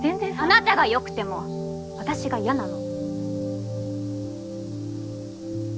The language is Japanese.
あなたが良くても私が嫌なの。